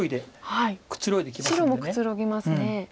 白もくつろぎますね。